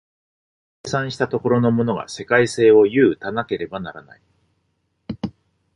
生産した所のものが世界性を有たなければならない。